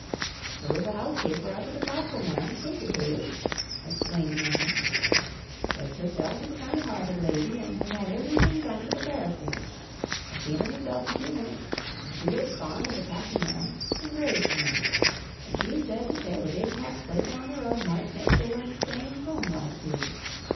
"It was the house kaper up at the Castle, ma'am, sint her to yez," explained Mary. "It's herself is a kind hearted lady an' has had iverything done to prepar' fur yez. I seen her meself a few minnits, an' she was fond av the Capt'in, ma'am, an' graivs fur him; and she said to say the big cat slapin' on the rug moight make the room same homeloike to yez.